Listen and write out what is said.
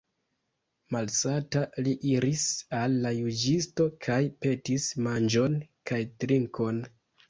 Malsata li iris al la juĝisto kaj petis manĝon kaj trinkon.